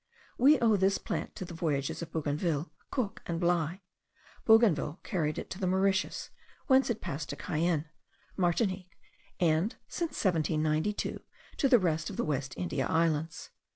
We owe this plant to the voyages of Bougainville, Cook, and Bligh. Bougainville carried it to the Mauritius, whence it passed to Cayenne, Martinique, and, since 1792, to the rest of the West India Islands.